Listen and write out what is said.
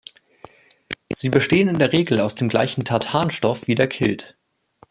Sie bestehen in der Regel aus dem gleichen Tartan-Stoff wie der Kilt.